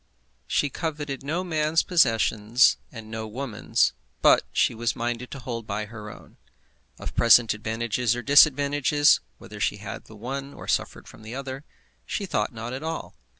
She coveted no man's possessions, and no woman's; but she was minded to hold by her own. Of present advantages or disadvantages, whether she had the one or suffered from the other, she thought not at all.